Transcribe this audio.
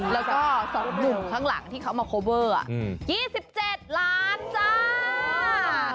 แล้วก็สองหนุ่มข้างหลังที่เขามาโคเวอร์ยี่สิบเจ็ดล้านจ้า